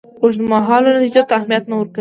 اوږدمهالو نتیجو ته اهمیت نه ورکوي.